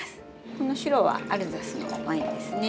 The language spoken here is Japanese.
この白はアルザスのワインですね。